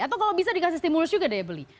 atau kalau bisa dikasih stimulus juga daya beli